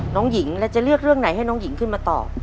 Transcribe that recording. น้องหญิงแล้วจะเลือกเรื่องไหนให้น้องหญิงขึ้นมาตอบ